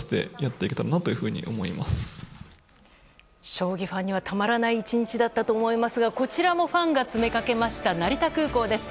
将棋ファンにはたまらない１日だったと思いますがこちらもファンが詰めかけました成田空港です。